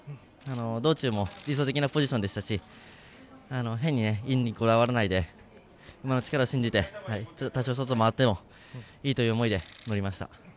道中も理想的なポジションでしたし変にこだわらないで馬の力を信じて多少、外を回ってもいいという思いで乗りました。